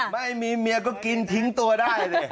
ไม่มีเมียก็กินทิ้งตัวได้ดิ